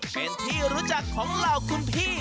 เป็นที่รู้จักของเหล่าคุณพี่